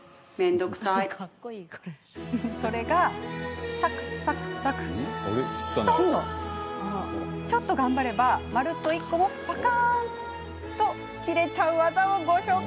それがちょっと頑張ればまるっと１個もパカンッ！と切れちゃう技、ご紹介！